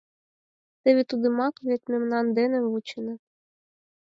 — Теве тудымак вет мемнан дене вученыт.